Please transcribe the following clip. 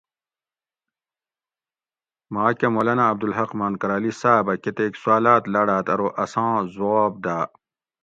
ماکہ مولانا عبدالحق مانکرالی صاۤب اۤ کتیک سوالاۤت لاڑاۤت ارو اساں زُواب داۤ